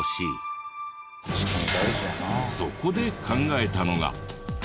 そこで考えたのが。